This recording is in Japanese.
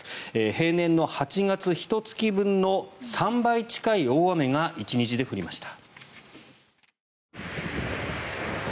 平年の８月ひと月分の３倍近い大雨が１日で降りました。